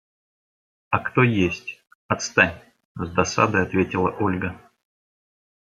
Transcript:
– А кто есть? – Отстань! – с досадой ответила Ольга.